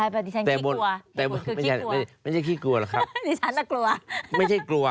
ประดิษฐานคิดกลัวคือคิดกลัว